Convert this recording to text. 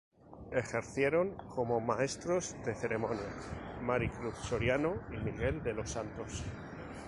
Ejercieron como maestros de ceremonia Mari Cruz Soriano y Miguel de los Santos.